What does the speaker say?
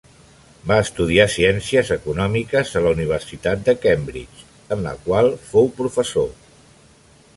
Va estudiar ciències econòmiques a la Universitat de Cambridge, en la qual fou professor.